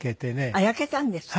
あっ焼けたんですか？